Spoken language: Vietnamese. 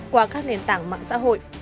qua các nền tảng mạng xã hội